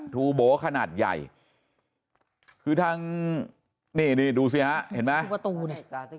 ทูโบขนาดใหญ่คือทางนี่นี่ดูสิฮะเห็นไหมประตูเนี่ย